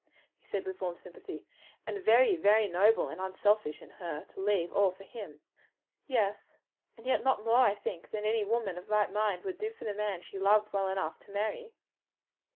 he said with warm sympathy, "and very, very noble and unselfish in her to leave all for him." "Yes; and yet not more, I think, than any right minded woman would do for the man she loved well enough to marry."